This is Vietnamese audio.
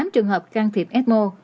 tám trường hợp can thiệp ecmo